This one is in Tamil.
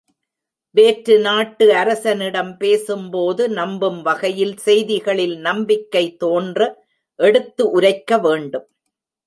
வேற்று நாட்டு அரசனிடம் பேசும்போது நம்பும் வகையில் செய்திகளில் நம்பிக்கை தோன்ற எடுத்து உரைக்க வேண்டும்.